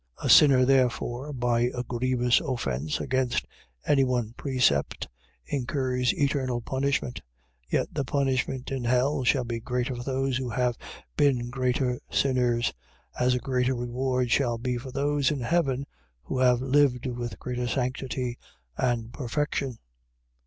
A sinner, therefore, by a grievous offence against any one precept, incurs eternal punishment; yet the punishment in hell shall be greater for those who have been greater sinners, as a greater reward shall be for those in heaven who have lived with greater sanctity and perfection.